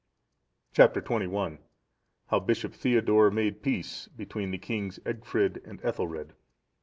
Chap. XXI. How Bishop Theodore made peace between the kings Egfrid and Ethelred.